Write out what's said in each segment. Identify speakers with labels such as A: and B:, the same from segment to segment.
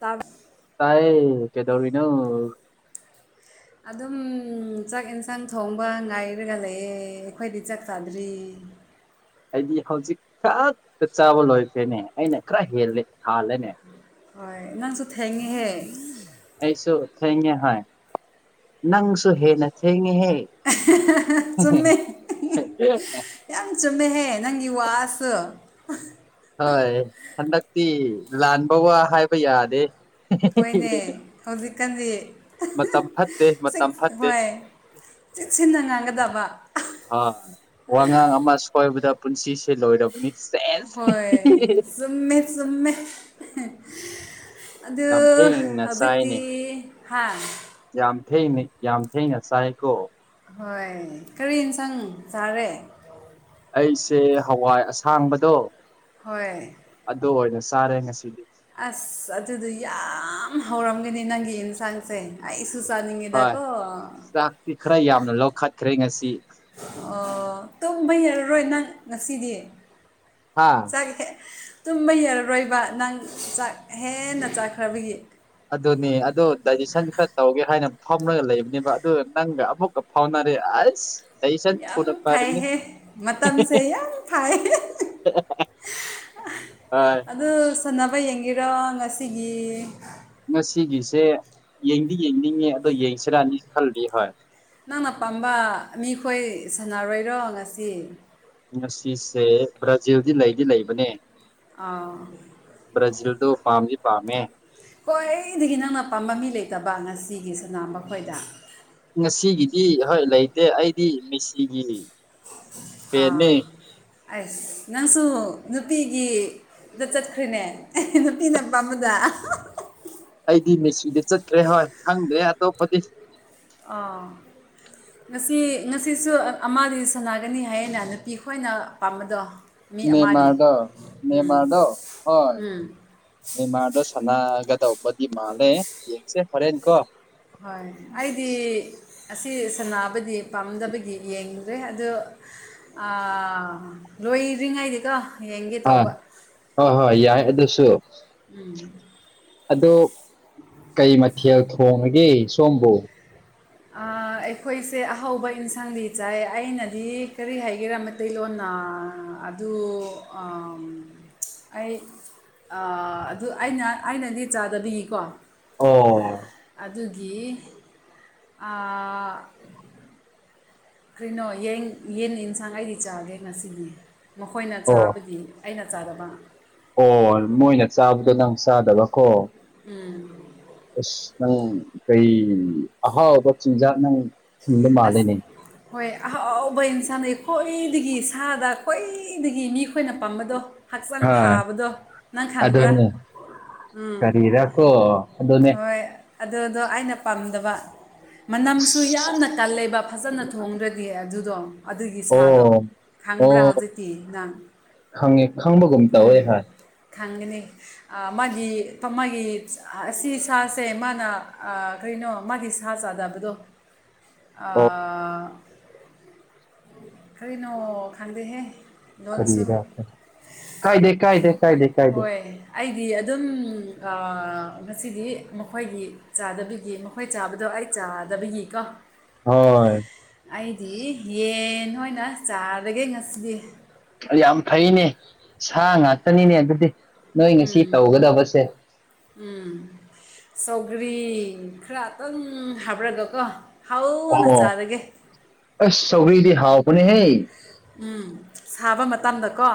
A: ꯇꯥꯔ
B: ꯇꯥꯏ ꯀꯩꯗꯧꯔꯤꯅꯣ
A: ꯑꯗꯨꯝ ꯆꯥꯛ ꯏꯟꯁꯥꯡ ꯊꯣꯡꯕ ꯉꯥꯏꯔꯒ ꯂꯩꯌꯦꯦ ꯑꯩꯈꯣꯏꯗꯤ ꯆꯥꯛ ꯆꯥꯗ꯭ꯔꯤ
B: ꯑꯩꯗꯤ ꯍꯧꯖꯤꯛ ꯈꯛꯇ ꯆꯥꯕ ꯂꯣꯏꯈ꯭ꯔꯦꯅꯦ ꯑꯩꯅ ꯈꯔ ꯍꯦꯜꯂꯦ ꯍꯥꯜꯂꯦꯅꯦ
A: ꯍꯣꯏ ꯅꯪꯁꯨ ꯊꯦꯡꯉꯤꯍꯦ
B: ꯑꯩꯁꯨ ꯊꯩꯦ ꯍꯣꯏ ꯅꯪꯁꯨꯨ ꯍꯦ ꯅ ꯊꯦ ꯍꯦ
A: ꯆꯃꯦ ꯌꯥꯝ ꯆꯨꯝꯃꯦꯍꯦ ꯅꯪꯒꯤ ꯋꯥꯁꯨ
B: ꯍꯣꯏ ꯍꯟꯗꯛꯇꯤ ꯂꯥꯟꯕ ꯋꯥ ꯍꯥꯏꯕ ꯌꯥꯗꯦ
A: ꯍꯣꯏꯅꯦ ꯍꯧꯖꯤꯛꯀꯥꯟꯗꯤ
B: ꯃꯇꯝ ꯐꯠꯇꯦ
A: ꯆ
B: ꯃꯇꯝ ꯐꯠꯇꯦ
A: ꯍꯣꯏ ꯆꯤꯠ ꯁꯤꯟꯅ ꯉꯥꯡꯒꯗꯕ
B: ꯍ ꯋꯥꯉꯥꯡ ꯑꯃ ꯁꯣꯏꯕꯗ ꯄꯨꯟꯁꯤꯁꯦ ꯂꯣꯏꯔꯕꯅꯤ ꯁꯦꯁ
A: ꯁꯨꯝꯃꯦ ꯑꯗꯨ
B: ꯌꯥꯝ ꯊꯦꯡꯅ
A: ꯍꯧꯖꯤꯛꯇꯤ
B: ꯆꯥꯏꯅꯦ
A: ꯍꯥꯥꯡ
B: ꯌꯥꯝ ꯊꯦꯡꯅ ꯌꯥꯝ ꯊꯦꯡꯅ ꯆꯥꯏꯀꯣ
A: ꯍꯣꯏ ꯀꯔꯤ ꯌꯦꯟꯁꯥꯡ ꯆꯥꯔꯦ
B: ꯑꯩꯁꯦ ꯍꯋꯥꯏ ꯑꯁꯥꯡꯕꯗꯣ
A: ꯍꯣꯏ
B: ꯑꯗꯨ ꯑꯣꯏꯅ ꯆꯥꯔꯦ ꯉꯁꯤꯗꯤ
A: ꯑꯁ ꯑꯗꯨꯗꯤ ꯌꯥꯝ ꯍꯧꯔꯝꯒꯅꯤ ꯅꯪꯒꯤ ꯑꯦꯟꯁꯥꯡꯁꯦ ꯑꯩ
B: ꯍꯣꯏ ꯆꯥꯛꯇꯤ ꯈꯔ ꯌꯥꯝꯅ ꯂꯧꯈꯠꯈ꯭ꯔꯦ ꯉꯁꯤ
A: ꯑꯣ ꯇꯨꯝꯕ ꯌꯥꯔꯔꯣꯏ ꯅꯪ ꯉꯁꯤꯗꯤ
B: ꯍꯥꯥ
A: ꯆꯠꯒꯦ ꯇꯨꯝꯕ ꯌꯔꯔꯣꯏꯕ ꯅꯪ ꯆꯥꯛ ꯍꯦꯟꯅ ꯆꯥꯛꯈ꯭ꯔꯕꯒꯤ
B: ꯑꯗꯨꯅꯦ ꯑꯗꯨꯗꯣ ꯗꯥꯏꯖꯦꯁꯟ ꯈꯔ ꯇꯧꯒꯦ ꯍꯥꯏꯅ ꯐꯥꯎꯅꯒ ꯂꯩꯕꯅꯦꯕ ꯑꯗꯨꯒ ꯅꯪꯒ ꯑꯃꯨꯛꯀ ꯐꯥꯎꯅ ꯑꯔꯦ ꯑꯁ ꯗꯥꯏꯖꯦꯁꯟ
A: ꯌꯥꯝ
B: ꯊꯨꯅ ꯐꯔꯅꯤ
A: ꯐꯩꯍ ꯃꯇꯝꯁꯦ ꯌꯥꯝ ꯐꯩꯍ
B: [unintelligible]
A: ꯑꯗꯨ ꯁꯅꯕ ꯌꯦꯡꯒꯔꯣ ꯉꯁꯤꯒꯤ
B: ꯉꯁꯤꯒꯤꯁꯦ ꯌꯦꯡꯗꯤ ꯌꯦꯡꯅꯤꯡꯉꯦ ꯑꯗꯣ ꯌꯦꯡꯁꯤꯔꯅꯤ ꯈꯜꯂꯤ ꯍꯣꯏ
A: ꯅꯪꯅ ꯄꯥꯝꯕ ꯃꯤꯈꯣꯏ ꯁꯥꯟꯅꯔꯣꯏꯔꯣ ꯉꯁꯤ
B: ꯉꯁꯤꯁꯦ ꯕ꯭ꯔꯥꯖꯤꯜꯗꯤ ꯂꯩꯗꯤ ꯂꯩꯕꯅꯦ
A: ꯑꯥ
B: ꯭ꯔꯥꯖꯤꯜꯗ ꯄꯥꯝ ꯄ
A: ꯈ꯭ꯋꯥꯏꯗꯒꯤ ꯅꯪꯅ ꯄꯥꯝꯕ ꯃꯤ ꯂꯩꯇꯕ ꯉꯁꯤꯒꯤ ꯁꯅꯥꯝ ꯃꯈꯣꯏꯗ
B: ꯉꯁꯤꯒꯤꯗꯤ ꯍꯣꯏ ꯂꯩꯇꯦ ꯑꯩꯗꯤ ꯃꯤꯁꯤꯒꯤ
A: ꯑꯥ ꯑꯩꯁ ꯅꯪꯁꯨ ꯅꯨꯄꯤꯒꯤꯗ ꯆꯠꯈ꯭ꯔꯔꯤꯅꯦ ꯑꯩ ꯅꯨꯄꯤꯤꯅ ꯄꯥꯝꯕꯗ
B: ꯑꯩꯗꯤ ꯃꯦꯁꯤꯗꯤ ꯆꯠꯇ꯭ꯔꯦ ꯍꯣꯏ ꯈꯪꯗ꯭ꯔꯦ ꯑꯇꯣꯞꯄꯗꯤ
A: ꯑꯥ ꯉꯁꯤ ꯉꯁꯤꯁꯨ ꯑꯃꯗꯤ ꯁꯅꯥꯒꯅꯤ ꯍꯥꯏꯌꯦꯅ ꯅꯨꯄꯤ ꯈꯈꯣꯏꯅ ꯄꯥꯝꯕꯗꯣ ꯃꯤ ꯑꯃꯗꯤ
B: ꯅꯦꯃꯥꯗꯣ
A: ꯎꯝ
B: ꯅꯦꯃꯥꯗꯣ ꯍ
A: ꯎꯝ
B: ꯅ ꯃꯥꯗꯣ ꯁꯅꯒꯗꯧꯕꯧꯕꯗꯤ ꯃꯥꯜꯂꯦ ꯌꯦꯡꯁꯦ ꯐꯣꯔꯦꯟꯀꯣ
A: ꯍꯣꯏ ꯑꯩꯗꯤ ꯑꯁꯤ ꯁꯕꯨꯗꯤ ꯄꯥꯝꯗꯕꯒꯤ ꯌꯦꯡꯂꯨꯔꯦ ꯑꯣ ꯑ ꯂꯣꯏꯗ꯭ꯔꯤꯉꯩꯗꯤꯀꯣ ꯌꯦꯡꯒꯦ
B: ꯑꯥ
A: ꯇꯧꯕ
B: ꯍꯣꯏ ꯍꯣꯏ ꯌꯥꯏ ꯑꯗꯨꯁꯨ
A: ꯎꯝ
B: ꯑ ꯀꯩ ꯃꯊꯦꯜ ꯊꯣꯡꯉꯒꯦ ꯁꯣꯝꯕꯨ
A: ꯑꯩꯈꯣꯏꯁꯦ ꯑꯍꯥꯎꯧꯕ ꯏꯟꯁꯥꯡꯗꯤ ꯆꯥꯏ ꯑꯩꯅꯗꯤ ꯀꯔꯤ ꯍꯥꯏꯒꯦꯔꯥ ꯃꯩꯇꯩꯂꯣꯟꯅ ꯑꯗꯨꯗ ꯑꯩ ꯑꯗꯨ ꯑꯩꯅ ꯑꯩꯅꯗꯤ ꯆꯥꯗꯕꯤꯒꯤꯀꯣ
B: ꯑꯣ
A: ꯑꯗꯨꯒꯤ ꯀꯔꯤꯅꯣ ꯌꯦꯟ ꯌꯦꯟ ꯌꯦꯟꯁꯥꯡ ꯑꯩꯗꯤ ꯆꯥꯒꯦ ꯉꯁꯤꯗꯤ ꯃꯈꯣꯏꯅ
B: ꯑꯣ
A: ꯆꯥꯕꯗꯤ ꯑꯩꯅ ꯆꯥꯗꯕ
B: ꯑꯣ ꯃꯣꯏꯅ ꯆꯥꯕꯗꯣ ꯅꯪ ꯆꯥꯗꯕꯀꯣ ꯑꯁ ꯅꯪ ꯀꯩ ꯑꯍꯥꯎꯕ ꯆꯤꯟꯖꯥꯛꯅ
A: ꯑꯁ ꯍꯣꯏ ꯑ ꯑꯕꯅ ꯏꯁꯥꯅꯩ ꯈ꯭ꯋꯥꯏꯗꯒꯤ ꯏꯁꯗ ꯈ꯭ꯋꯥꯏꯗꯒꯤ ꯃꯤ ꯈꯣꯏꯅ ꯄꯥꯝꯕꯗꯣ ꯍꯛꯆꯥꯡ
B: ꯍꯣꯏ
A: ꯐꯥꯕꯗꯣ ꯅꯪ ꯈꯪꯕ꯭ꯔꯥ
B: ꯑꯗꯨꯅꯦ
A: ꯎꯝ
B: ꯀꯔꯤꯔꯀꯣ ꯑꯗꯨꯅꯦ
A: ꯍꯣꯏ ꯑꯗꯨꯗꯣ ꯑꯩꯅ ꯄꯥꯝꯗꯕ ꯃꯅꯝꯁꯨ
B: ꯑꯁ
A: ꯌꯥꯝꯅ ꯇꯜꯂꯦꯕ ꯐꯖꯅ ꯊꯣꯡꯗ꯭ꯔꯗꯤ ꯑꯗꯨꯗꯣ ꯑꯗꯨꯒꯤ ꯁꯥꯗꯣ
B: ꯑꯣ ꯑꯣ
A: ꯈꯪꯕ꯭ꯔꯥ ꯍꯧꯖꯤꯛꯇꯤ ꯅꯪ
B: ꯈꯪꯉꯦ ꯈꯪꯕꯒꯨꯝ ꯇꯧꯋꯦ
A: ꯎꯝ
B: ꯍꯥꯏ
A: ꯈꯪꯒꯅꯤ ꯃꯥꯒꯤ ꯃꯥꯒꯤ ꯑꯁꯤ ꯁꯥꯁꯦ ꯃꯥꯅ ꯀꯩꯅꯣ ꯃꯥꯒꯤ ꯁꯥ ꯆꯥꯗꯕꯗꯣ ꯑ
B: ꯑꯣ
A: ꯀꯔꯤꯅꯣ ꯈꯪꯗ ꯍꯦ
B: ꯈꯔꯤ ꯀꯥꯏꯗꯦ ꯀꯥꯏꯗꯦ ꯀꯥꯏꯗꯦ ꯀꯥꯏꯗꯦ
A: ꯍꯣꯏ ꯑꯩꯗꯤ ꯑꯗꯨꯝ ꯉꯁꯤꯗꯤ ꯃꯈꯣꯏꯒꯤ ꯆꯥꯗꯕꯤꯒꯤ ꯃꯈꯣꯏ ꯆꯥꯕꯗꯣ ꯀꯥꯏ ꯆꯥꯗꯕꯒꯤ ꯀꯣ
B: ꯍꯣꯏ
A: ꯑꯩꯗꯤ ꯌꯦꯟ ꯑꯣꯏꯅ ꯆꯥꯔꯒꯦ ꯉꯁꯤꯗꯤ
B: ꯌꯥꯝ ꯐꯩꯅꯦ ꯁꯥ ꯉꯥꯛꯇꯅꯤꯅꯦ ꯑꯗꯨꯗꯤ ꯅꯣꯏ ꯉꯁꯤ ꯇꯧꯒꯗꯕꯁꯦ
A: ꯎꯝ ꯆꯧꯒ꯭ꯔꯤ ꯈꯔꯇꯪ ꯍꯥꯞꯔꯒꯀꯣ ꯍꯧꯎꯅ
B: ꯑꯣ
A: ꯆꯥꯔꯒꯦ
B: ꯑꯁ ꯁꯧꯔꯤꯗꯤ ꯍꯥꯎꯄꯅꯦ ꯍꯩ
A: ꯎꯝ ꯁꯥꯕ ꯃꯇꯝꯗꯀꯣ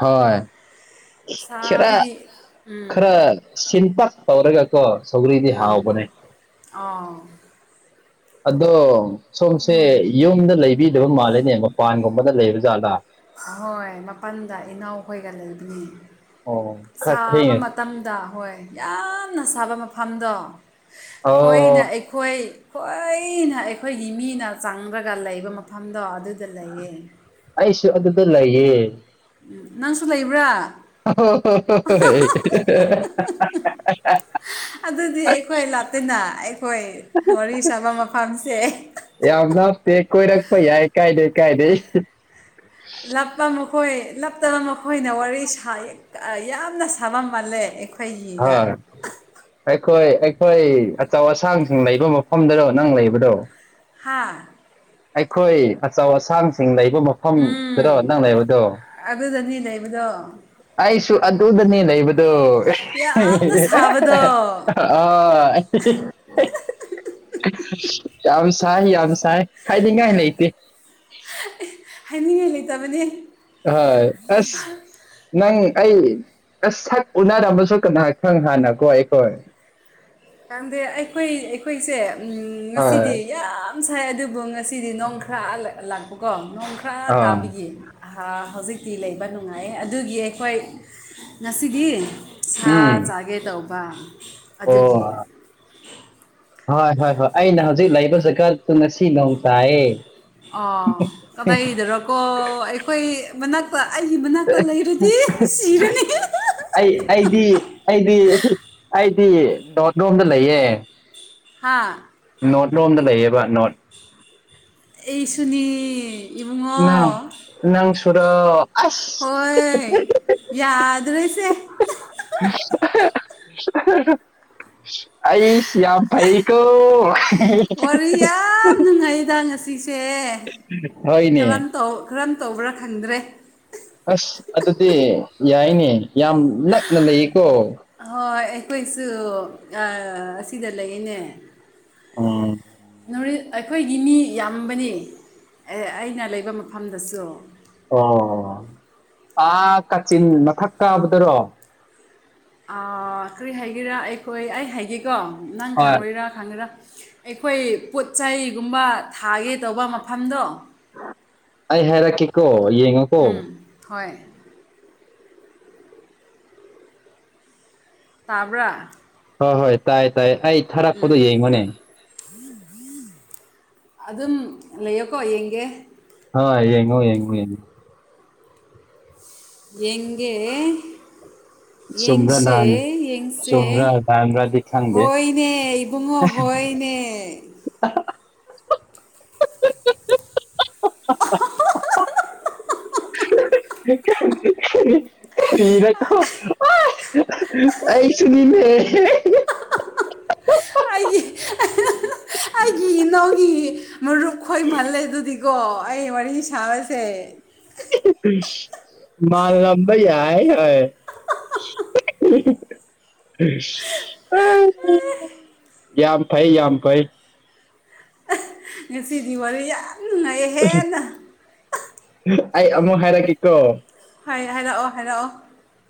B: ꯍꯣꯏ ꯈꯔ
A: ꯁꯥꯕꯒꯤ ꯎꯝ
B: ꯈꯔ ꯁꯤꯟꯄ ꯇꯧꯔꯒꯀꯣ ꯁꯧꯒ꯭ꯔꯤꯗꯤ ꯍꯥꯎꯕ ꯅꯤ
A: ꯑꯥ
B: ꯑꯗꯣ ꯁꯣꯝꯁꯦ ꯌꯨꯝꯗ ꯂꯩꯕꯤꯗꯕ ꯃꯥꯜꯂꯦꯅꯦ ꯃꯄꯥꯟꯒꯨꯝꯕꯗ ꯂꯩꯕꯖꯥꯠꯂꯥ
A: ꯑꯍꯣꯏ ꯃꯄꯜꯗ ꯏꯅꯥꯎꯈꯣꯏꯒ ꯂꯩꯕꯅꯤ
B: ꯑꯣ ꯈꯔ
A: ꯁꯥꯕ
B: ꯊꯦꯡꯉꯦ
A: ꯃꯇꯝꯗ ꯍꯣꯏ ꯌꯥꯝꯅ ꯁꯥꯕ ꯃꯐꯝꯗꯣ ꯈꯣꯏꯅ
B: ꯑꯣ
A: ꯑꯩꯈꯣꯏ ꯈ꯭ꯋꯥꯏꯅ ꯑꯩꯈꯣꯏꯒꯤ ꯃꯤꯅ ꯆꯪꯕ꯭ꯔꯒ ꯂꯩꯕ ꯃꯐꯝꯗꯣ ꯑꯗꯨꯗ ꯂꯩꯌꯦ
B: ꯑꯩꯁꯨ ꯑꯗꯨꯗ ꯂꯩꯌꯦ
A: ꯎꯝ ꯅꯪꯁꯨ ꯂꯩꯕ꯭ꯔꯥ
B: ꯍ ꯍꯣ ꯍ ꯍ
A: ꯑꯗꯨꯗꯤ ꯑꯩꯈꯣꯏ ꯂꯥꯇꯅ ꯑꯩꯈꯣꯏ ꯋꯥꯔꯤ ꯁꯥꯕ ꯃꯐꯝꯁꯦ
B: ꯌꯥꯝ ꯂꯞꯇꯦ ꯀꯣꯏꯔꯛꯄ ꯌꯥꯏ ꯀꯥꯏꯗꯦ ꯀꯥꯏꯗꯦ
A: ꯂꯄꯨ ꯑꯣꯏ ꯂꯞꯇꯕ ꯃꯈꯣꯏꯅ ꯋꯥꯔꯤ ꯌꯥꯝꯅ ꯁꯥꯕ ꯃꯥꯜꯂꯦ
B: ꯍ
A: ꯑꯩꯈꯣꯏꯒꯤꯗ
B: ꯑꯩꯈꯣꯏ ꯑꯩꯈꯣꯏ ꯑꯆꯧ ꯑꯁꯥꯡꯁꯤꯡ ꯂꯩꯕ ꯃꯐꯝꯗꯗꯣ ꯅꯪ ꯂꯩꯕꯗꯣ
A: ꯍꯥꯥ
B: ꯑꯩꯈꯣꯏ ꯑꯆꯧ ꯑꯁꯥꯡꯁꯤꯡ ꯂꯩꯕ ꯃꯐꯝꯗꯔꯣ
A: ꯎꯝ
B: ꯅꯪ ꯂꯩꯕꯗꯣ
A: ꯑꯗꯨꯗꯅꯤ ꯂꯩꯕꯗꯣ
B: ꯑꯩꯁꯨ ꯑꯗꯨꯗꯅꯤ ꯂꯩꯕꯗꯣ
A: ꯌꯥꯝꯅ ꯁꯥꯕꯗꯣ
B: ꯑꯣ [unintelligible] ꯌꯥꯝ ꯂꯥꯏ ꯌꯥꯝ ꯁꯥꯏ ꯈꯥꯏꯅꯤꯉꯥꯏ ꯂꯩ ꯏꯇꯦ
A: ꯍꯥꯏꯅꯤꯡꯉꯥꯏ ꯂꯩꯇꯕꯅꯦ
B: ꯍꯣꯏ ꯑꯁ ꯅꯪ ꯑꯩ ꯁꯛ ꯎꯅꯔꯝꯃꯁꯨ ꯀꯅꯥꯍ ꯈꯪ ꯍꯥꯟꯅꯀꯣ ꯑꯩꯈꯣꯏ
A: ꯈꯪꯗꯦ ꯑꯩꯈꯣꯏ ꯑꯩꯈꯣꯏꯁꯦ ꯉꯁꯤꯗꯤ
B: ꯍꯣꯏ
A: ꯌꯥꯝ ꯌꯥꯝ ꯁꯥꯏ ꯑꯗꯨꯕꯨ ꯉꯁꯤꯗꯤ ꯅꯣꯡ ꯈꯔ ꯂꯥꯛꯄꯀꯣ ꯅꯣꯡꯈꯔ
B: ꯑꯥ
A: ꯇꯥꯕꯤꯒꯤ ꯍꯧꯖꯤꯛ ꯇꯤ ꯂꯩꯕ ꯅꯨꯡꯉꯥꯏ ꯑꯗꯨꯒꯤ ꯑꯩꯈꯣꯏ ꯉꯁꯤꯗꯤ ꯁꯥ
B: ꯎꯝ
A: ꯆꯥꯒꯦ ꯇꯧꯕ ꯑꯗꯨꯒꯤ
B: ꯑꯣ ꯍꯣꯏ ꯍꯣꯏ ꯍꯣꯏ ꯑꯩꯅ ꯍꯧꯖꯤꯛ ꯂꯩꯕ ꯖꯒꯁꯤꯗ ꯉꯁꯤ ꯅꯣꯡ ꯇꯥꯏꯌꯦ
A: ꯑꯣ ꯀꯗꯥꯏꯗꯔꯣꯀꯣ ꯑꯩꯈꯣꯏ ꯃꯅꯥꯛꯇ ꯑꯩꯒꯤ ꯃꯅꯥꯛꯇ ꯂꯩꯔꯗꯤ ꯁꯤꯔꯅꯤ
B: ꯑꯩ ꯑꯩꯗꯤ ꯑꯩꯗꯤ ꯑꯩꯗꯤ ꯅꯗꯣꯝꯗ ꯂꯩꯌꯦ
A: ꯍꯥꯥ
B: ꯅꯣꯠ ꯂꯣꯝꯗ ꯂꯩꯌꯦꯕ ꯅꯣꯠ
A: ꯑꯩ ꯁꯨꯅꯦ
B: ꯅꯪ ꯅꯪ ꯁꯨꯔꯣ ꯑꯁ
A: ꯍꯣꯏ ꯌꯥꯗ꯭ꯔꯦꯁꯦ
B: ꯑꯩꯁ ꯌꯥꯝ ꯐꯩ ꯀ
A: ꯋꯥꯔꯤ ꯌꯥꯝ ꯅꯨꯡꯉꯥꯏꯗ ꯉꯁꯤꯁꯦ
B: ꯍꯅꯦ
A: ꯀꯔꯝ ꯇꯧ ꯀꯔꯝ ꯇꯧꯕ꯭ꯔꯥ ꯈꯪꯗ꯭ꯔꯦ
B: ꯑꯁ ꯑꯗꯨꯗꯤ ꯌꯥꯏꯅꯦ ꯌꯥꯝ ꯅꯛꯅ ꯂꯩꯌꯦꯀꯣ
A: ꯍꯣꯏ ꯑꯩꯈꯣꯏꯁꯨ ꯑꯁꯤꯗ ꯂꯩꯅꯦ
B: ꯎꯝ
A: ꯅ ꯑꯩꯈꯣꯏꯒꯤ ꯃꯤ ꯌꯥꯝꯕꯅꯤ ꯑꯩꯅ ꯂꯩꯕ ꯃꯐꯝꯗꯁꯨ
B: ꯑꯣ ꯑꯥ ꯀꯥꯆꯤꯟ ꯃꯊꯛ ꯇꯥꯕꯗꯔꯣ
A: ꯀꯔꯤ ꯍꯥꯏꯒꯦꯔꯥ ꯑꯩꯈꯣꯏ ꯑꯩ ꯍꯥꯏꯒꯦꯀꯣ ꯅꯪ
B: ꯍꯣꯏ
A: ꯈꯪꯉꯣꯏꯔꯥ ꯈꯪꯉꯦꯔꯥ ꯑꯩꯈꯣꯏ ꯄꯣꯠ ꯆꯩꯒꯨꯝꯕ ꯊꯥꯒꯦ ꯇꯧꯕ ꯃꯐꯝꯗꯣ
B: ꯑꯩ ꯍꯥꯏꯔꯛꯀꯦꯀꯣ ꯌꯦꯡꯉꯣꯀꯣ
A: ꯎꯝ ꯍꯣꯏ ꯇꯥꯕ꯭ꯔ
B: ꯍꯣꯏ ꯍꯣꯏ ꯇꯥꯏ ꯇꯥꯏ ꯑꯩ ꯊꯥꯔꯛꯄꯗꯣ ꯌꯦꯡꯉꯨꯅꯦ
A: ꯑꯗꯨꯝ ꯂꯩꯌꯣꯀꯣ ꯌꯦꯡꯒꯦ
B: ꯑ ꯌꯦꯡꯉꯣ ꯌꯦꯡꯉꯣ ꯌꯦꯡꯉꯣ
A: ꯌꯦꯡꯒꯦ
B: ꯆꯨꯝꯕ꯭ꯔꯥ
A: ꯌꯦꯡꯁꯦ
B: ꯂꯥꯟ
A: ꯌꯦꯡꯁꯦ
B: ꯆꯨꯝꯕ꯭ꯔꯥ ꯂꯥꯟꯕ꯭ꯔꯥꯗꯤ ꯈꯪꯗꯦ
A: ꯍꯣꯏꯅꯦ ꯏꯕꯨꯡꯉꯣ ꯍꯣꯏ ꯄꯥꯏꯅꯦ
B: [unintelligible] [unintelligible] ꯐꯔꯣ ꯑꯩꯁꯨꯅꯤꯅꯦ ꯍ
A: ꯑꯩꯒꯤ ꯑꯩꯒꯤ ꯏꯅꯥꯎꯒꯤ ꯃꯔꯨꯞ ꯈꯣꯏꯃꯜꯂꯦ ꯑꯗꯨꯗꯤ ꯀꯣ ꯑꯩ ꯋꯥꯔꯤ ꯁꯥꯕꯁꯦ
B: ꯃꯥ ꯂꯝꯝꯕꯩ ꯌꯥ ꯍ [unintelligible] ꯌꯥꯌꯥꯝ ꯐꯩ ꯌꯥꯝꯝ ꯐꯥꯏ
A: ꯉꯁꯤꯗꯤ ꯋꯥꯔꯤ ꯌꯥꯝ ꯅꯨꯡꯉꯥꯏ ꯍꯦꯟꯅ
B: ꯑꯩ ꯑꯃꯨꯛ ꯍꯥꯏꯔꯛꯀꯦꯀꯣ
A: ꯍꯥꯏ ꯍꯥꯏꯔꯛꯑꯣ ꯍꯥꯏꯔꯛꯑꯣ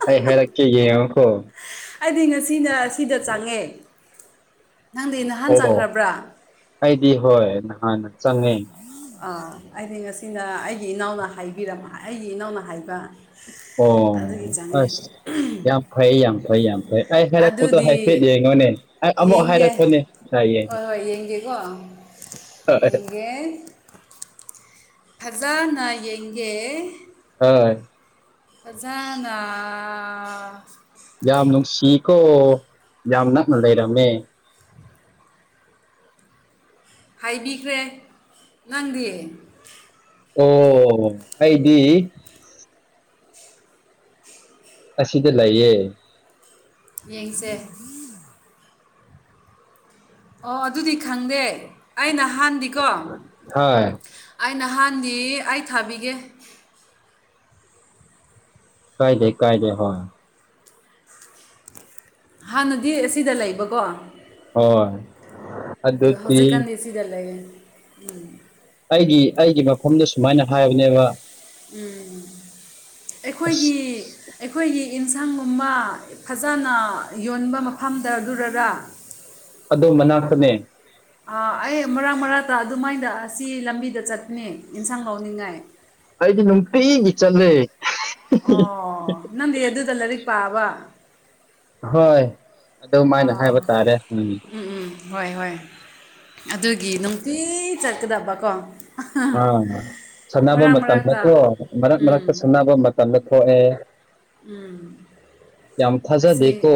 B: ꯑꯩ ꯍꯥꯏꯔꯛꯀꯦ ꯌꯦꯡꯉꯣꯀꯣ
A: ꯑꯩꯗꯤ ꯉꯁꯤꯅ ꯁꯤꯗ ꯆꯪꯉꯦ ꯅꯪꯗꯤ ꯅꯍꯥꯟ
B: ꯑꯣ
A: ꯆꯪꯈ꯭ꯔꯕ꯭ꯔꯥ
B: ꯑꯩꯗꯤ ꯍꯣꯏ ꯅꯍꯥꯟ
A: ꯥ ꯑꯩꯗꯤ ꯉꯁꯤꯅ ꯑꯩꯒꯤ ꯏꯅꯥꯎꯅ ꯍꯥꯏꯕꯤ ꯑꯩꯒꯤ ꯏꯅꯥꯎꯅ ꯍꯥꯏꯕ
B: ꯑꯣ
A: ꯑꯗꯨꯒꯤ ꯆꯪꯉꯦ
B: ꯑꯁ ꯌꯥꯝ ꯐꯩ ꯌꯥꯝ ꯐꯩ ꯌꯥꯝ ꯐꯩ ꯑꯩ ꯍꯥꯏꯔꯛꯄꯗꯣ ꯍꯥꯏꯐꯦꯠ
A: ꯑꯗꯨꯗꯤ
B: ꯌꯦꯡꯉꯣꯅꯦ ꯑꯩ ꯑꯃꯨꯛ
A: ꯌꯦꯡꯒꯦ
B: ꯍꯥꯏꯔꯛꯄꯅꯦ ꯍꯥꯏꯌꯦꯡꯉꯣ ꯑ
A: ꯑꯩꯒꯤꯦ
B: [unintelligible]
A: ꯐꯖꯅ ꯌꯦꯡꯒꯦ
B: ꯍꯣꯏ
A: ꯖꯅꯥ
B: ꯌꯥꯝ ꯅꯨꯡꯁꯤꯀꯣ ꯌꯥꯝ ꯅꯛꯅ ꯂꯩꯔꯝꯃꯦ
A: ꯍꯥꯏꯕꯤꯈ꯭ꯔꯦ ꯅꯪꯗꯤꯌꯦ
B: ꯑꯣ ꯑꯩꯗꯤ ꯑꯁꯤꯗ ꯂꯩꯌꯦ
A: ꯌꯦꯡꯁꯦ ꯑꯣ ꯑꯗꯨꯗꯤ ꯈꯪꯗꯦ ꯑꯩ ꯅꯍꯥꯟꯗꯤꯀꯣ
B: ꯍꯣꯏ
A: ꯑꯩ ꯅꯍꯥꯟꯗꯤ ꯑꯩ ꯊꯥꯕꯤꯒꯦ
B: ꯀꯥꯏꯗꯦ ꯀꯥꯏꯗꯦ ꯍ
A: ꯍꯥꯟꯅꯗꯤ ꯑꯁꯤꯗ ꯂꯩꯕꯀꯣ
B: ꯍꯣꯏ
A: ꯑꯗꯨ
B: ꯑꯗꯨꯗꯤ
A: ꯍꯧꯖꯤꯛꯀꯥꯟꯅ ꯏꯁꯤꯗ ꯂꯩꯒꯦ ꯎꯝ
B: ꯑꯩꯒꯤ ꯑꯩꯒꯤ ꯃꯐꯝꯗ ꯁꯨꯃꯥꯏꯅ ꯍꯥꯏꯕꯅꯦꯕ
A: ꯎꯝ
B: ꯑꯁ
A: ꯑꯩꯈꯣꯏꯒꯤ ꯑꯩꯈꯣꯏꯒꯤ ꯑꯦꯟꯁꯥꯡꯒꯨꯝꯕ ꯐꯖꯅ ꯌꯣꯟꯕ ꯃꯐꯝꯗ ꯑꯗꯨꯔꯔꯥ
B: ꯑꯗꯨꯗꯣ ꯃꯅꯥꯛꯇꯅꯦ
A: ꯑꯩ ꯃꯔꯥꯡ ꯃꯔꯥꯡꯛꯇ ꯑꯗꯨꯃꯥꯏꯗ ꯑꯁꯤ ꯂꯝꯕꯤꯗ ꯆꯠꯄꯅꯤ ꯌꯦꯟꯁꯥꯡ ꯂꯧꯥꯎꯅꯤꯡꯉꯥꯏ
B: ꯑꯩꯗꯤ ꯅꯨꯡꯇꯤꯒꯤ ꯆꯠꯂꯦ
A: ꯑꯣ ꯅꯪꯗꯤ ꯌꯦꯗꯨꯗ ꯂꯔꯤ ꯄꯥ ꯋꯥ
B: ꯍꯣꯏ ꯑꯗꯨꯃꯥꯏꯅ ꯍꯥꯏꯕ ꯇꯥꯔꯦ
A: ꯎꯝ ꯎꯝ ꯍꯣꯏ ꯍꯣꯏ ꯑꯗꯨꯒꯤ ꯅꯨꯡꯇꯤ ꯆꯠꯀꯗꯕꯀꯣ
B: ꯑ ꯁꯥꯟꯅꯕ
A: ꯃꯔꯛ ꯃꯔꯛꯇ
B: ꯃꯇꯝꯗꯠꯇꯣ ꯃꯔꯛ
A: ꯎꯝ
B: ꯃꯔꯛꯇ ꯁꯥꯟꯅꯕ ꯃꯇꯝꯗ ꯐ
A: ꯎꯝ ꯑꯁꯤ
B: ꯊꯥꯖꯗꯦꯀꯣ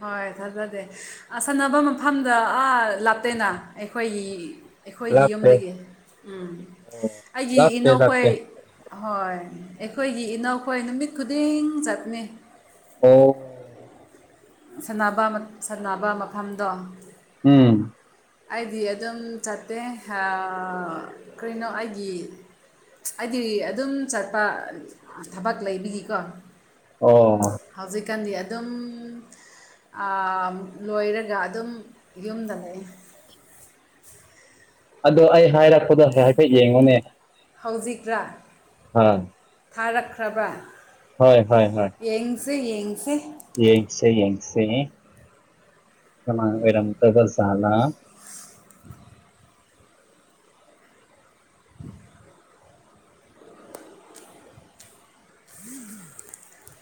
A: ꯍꯣꯏ ꯊꯥꯖꯗꯦ ꯁꯥꯟꯅꯕ ꯃꯐꯝꯗ ꯑꯥ ꯂꯥꯞꯇꯦꯅ ꯑꯩꯈꯣꯏꯒꯤ ꯑꯩꯈꯣꯏꯒꯤ
B: ꯂꯥꯛꯇꯦ
A: ꯌꯨꯝꯗꯒꯤ ꯎꯝ
B: ꯑꯣ
A: ꯑꯩꯒꯤ
B: ꯂꯥꯛꯇꯦ
A: ꯏꯅꯧꯈꯣꯏ
B: ꯂꯥꯛꯇꯦ
A: ꯍꯣꯏ ꯑꯩꯈꯣꯏꯒꯤ ꯏꯅꯧꯈꯣꯏ ꯅꯨꯃꯤꯠ ꯈꯨꯗꯤꯡ ꯆꯠꯅꯤ
B: ꯑꯣ
A: ꯁꯅꯕ ꯁꯥꯟꯅꯕ ꯃꯐꯝꯗꯣ
B: ꯎꯝ
A: ꯑꯩꯗꯤ ꯑꯗꯨꯝ ꯆꯠꯇꯦ ꯀꯩꯅꯣ ꯑꯩꯒꯤ ꯍꯥꯏꯗꯤ ꯑꯗꯨꯝ ꯆꯠꯄ ꯊꯕꯛ ꯂꯩꯕꯤꯒꯤꯀꯣ
B: ꯑꯣ
A: ꯏꯀꯥꯟꯗꯤ ꯑꯗꯨꯝ ꯂꯣꯏꯔꯒ ꯑꯗꯨꯝ ꯌꯨꯝꯗ ꯂꯩꯏ
B: ꯑꯗꯣ ꯑꯩ ꯍꯥꯏꯔꯛꯄꯗꯣ ꯍꯥꯏꯐꯦꯠ ꯌꯦꯡꯉꯨꯅꯦ
A: ꯍꯧꯖꯤꯛꯈ꯭ꯔꯥ
B: ꯍꯥꯥ
A: ꯊꯥꯔꯛꯈ꯭ꯔꯕ
B: ꯍꯣꯏ ꯍꯣꯏ ꯍ
A: ꯁꯤ ꯌꯦꯡꯁꯦ
B: ꯌꯦꯡꯁꯦ ꯌꯦꯡꯁꯦ ꯀꯔꯝ ꯇ ꯇꯅ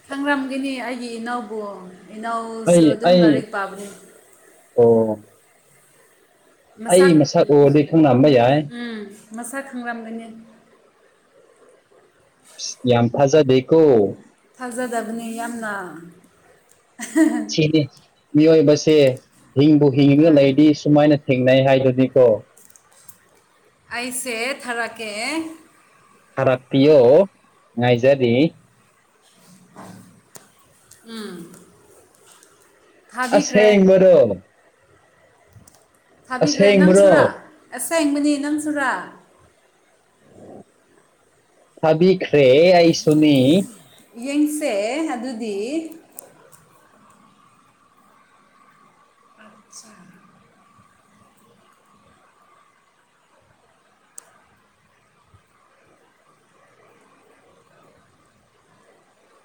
A: ꯈꯪꯔꯝꯒꯅꯤ ꯑꯩꯒꯤ ꯏꯅꯥꯎꯕꯨ ꯏꯅꯥꯎꯁꯨ
B: ꯑꯩ
A: ꯑꯗꯨꯝ
B: ꯑꯩ
A: ꯂꯥꯏꯔꯤꯛ ꯄꯥꯕꯅꯤ
B: ꯑꯣ ꯑꯩ ꯃꯁꯛ ꯎꯔꯗꯤ ꯈꯪ ꯅꯝꯕ ꯌꯥꯏ
A: ꯃꯁ ꯈꯪꯥꯡꯒꯅꯤ
B: ꯌꯥꯝ ꯐꯖꯗꯦꯀꯣ
A: ꯊꯥꯖꯗꯕꯅꯤ ꯌꯥꯝꯅ
B: ꯁꯤꯅꯤ ꯃꯤꯑꯣꯏꯕꯁꯦ ꯍꯤꯡꯕꯨ ꯍꯤꯡꯉꯒ
A: ꯍꯣꯏ
B: ꯂꯩꯗꯤ ꯁꯨꯃꯥꯏꯅ ꯊꯦꯡꯅꯩ ꯍꯥꯏꯗꯨꯗꯤꯀꯣ
A: ꯑꯩꯁꯦ ꯊꯥꯔꯛꯀꯦ
B: ꯊꯔꯄꯌꯣ ꯅꯥꯥꯏꯖꯔꯤꯔꯤ
A: ꯎꯝ
B: ꯑꯁ ꯍꯦ ꯏ ꯃꯔꯣ
A: ꯊꯥꯕꯤꯈ꯭ꯔꯦ ꯅꯪ
B: ꯑꯁꯦꯡꯕꯔꯣ
A: ꯁꯨꯔꯥ ꯑꯁ ꯁꯦꯡꯕꯅꯤ ꯅꯪ ꯁꯨꯔꯥ
B: ꯊꯥꯕꯤꯈ꯭ꯔꯦ ꯑꯩ ꯁꯨꯅꯤ
A: ꯌꯦꯡꯁꯦ ꯑꯗꯨꯗꯤ ꯑꯠꯆꯥ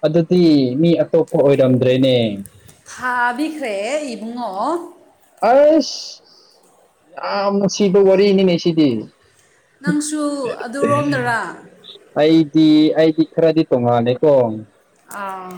B: ꯑꯗꯨꯗꯤ ꯃꯤ ꯑꯇꯣꯞꯄ ꯑꯣꯏꯔꯝꯗ꯭ꯔꯦꯅꯦ
A: ꯍꯕꯤꯈ꯭ꯔꯦ ꯏꯕꯨꯡꯉꯣ
B: ꯑꯁ ꯌꯥꯝ ꯁꯤꯗ ꯋꯥꯔꯤꯅꯤ ꯃꯩꯁꯤꯗꯤ
A: ꯅꯪꯁꯨ ꯑꯗꯨꯔꯣꯝꯗꯔꯥ
B: ꯑꯩ ꯑꯩꯗꯤ ꯈꯔꯗꯤ ꯇꯣꯉꯥꯟꯅꯦꯀꯣ
A: ꯑꯥ